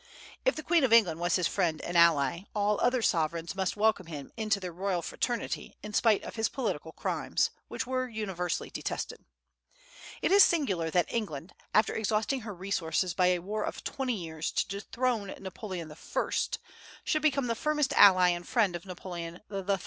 If the Queen of England was his friend and ally, all other sovereigns must welcome him into their royal fraternity in spite of his political crimes, which were universally detested. It is singular that England, after exhausting her resources by a war of twenty years to dethrone Napoleon I., should become the firmest ally and friend of Napoleon III.